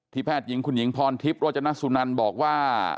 แพทย์หญิงคุณหญิงพรทิพย์โรจนสุนันบอกว่า